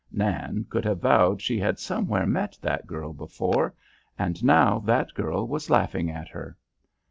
Nan could have vowed she had somewhere met that girl before, and now that girl was laughing at her.